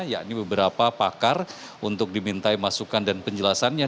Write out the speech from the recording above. yakni beberapa pakar untuk dimintai masukan dan penjelasannya